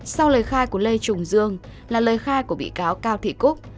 sau lời khai của lê trung dương là lời khai của bị cáo cao thị cúc